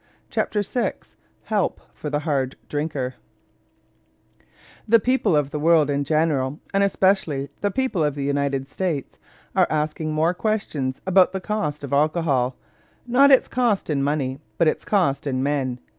CHAPTER VI HELP FOR THE HARD DRINKER The people of the world in general, and especially the people of the United States, are asking more questions about the cost of alcohol not its cost in money, but its cost in men.